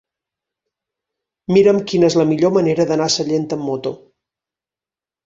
Mira'm quina és la millor manera d'anar a Sallent amb moto.